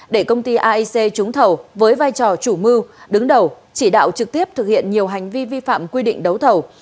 để công ty aic trúng thầu với vai trò chủ mưu đứng đầu chỉ đạo trực tiếp thực hiện nhiều hành vi vi phạm quy định đấu thầu